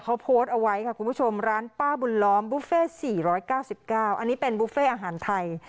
เขาโพสต์เอาไว้ค่ะคุณผู้ชมร้านป้าบุญล้อมบุฟเฟ่๔๙๙อันนี้เป็นบุฟเฟ่อาหารไทย